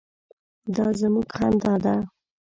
_دا زموږ خندا ده.